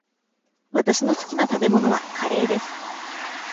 わたしの好きな食べ物はカレーです。